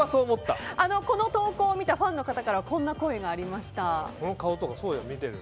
この投稿を見たファンの方からこんな声がありました。